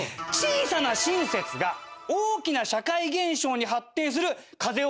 小さな親切が大きな社会現象に発展する風